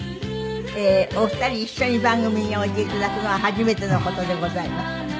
お二人一緒に番組においでいただくのは初めての事でございます。